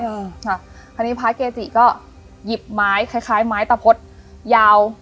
ค่ะคราวนี้พระเกจิก็หยิบไม้คล้ายคล้ายไม้ตะพดยาว